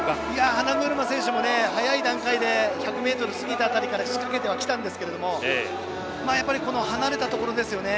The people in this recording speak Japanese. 花車選手も早い段階で１００ｍを過ぎた辺りから仕掛けてはきたんですが離れたところですね。